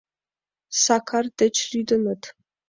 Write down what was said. Сакар деч лӱдыныт.